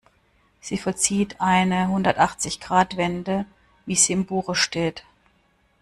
Sie vollzieht eine Hundertachzig-Grad-Wende, wie sie im Buche steht.